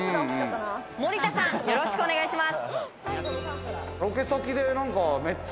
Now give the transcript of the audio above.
森田さん、よろしくお願いします。